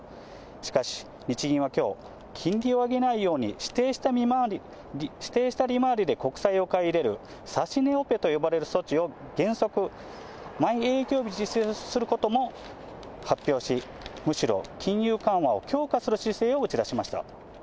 しかし、日銀はきょう、金利を上げないように、指定した利回りで国債を買い入れる、指し値オペと呼ばれる措置を原則、毎営業日実施することも発表し、むしろ金融緩和を強化する姿勢を打ち出しました。